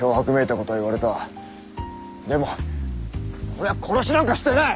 でも俺は殺しなんかしてない！